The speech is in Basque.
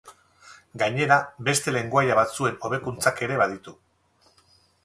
Gainera, beste lengoaia batzuen hobekuntzak ere baditu.